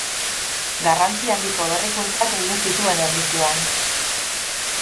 Garrantzi handiko berrikuntzak egin zituen erlijioan.